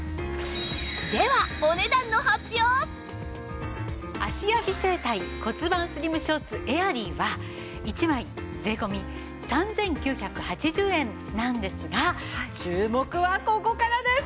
では芦屋美整体骨盤スリムショーツエアリーは１枚税込３９８０円なんですが注目はここからです！